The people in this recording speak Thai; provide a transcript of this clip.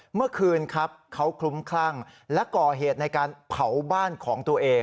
เมื่อคืนครับเขาคลุ้มคลั่งและก่อเหตุในการเผาบ้านของตัวเอง